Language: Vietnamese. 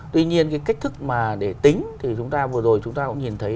tuy nhiên cái cách thức mà để tính thì chúng ta vừa rồi chúng ta cũng nhìn thấy